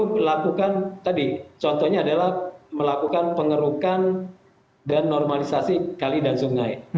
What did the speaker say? yang pasti perlu dilakukan tadi contohnya adalah melakukan pengurukan dan normalisasi kali dan sungai